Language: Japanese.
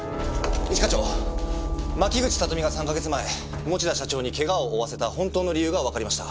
一課長牧口里美が３カ月前持田社長に怪我を負わせた本当の理由がわかりました。